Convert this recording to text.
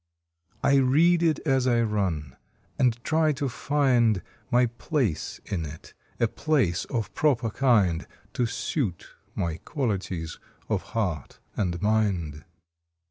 I read it as I run, and try to find My place in it, a place of proper kind To suit my qualities of heart and mind.